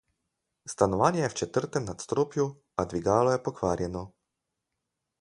Stanovanje je v četrtem nadstropju, a dvigalo je pokvarjeno...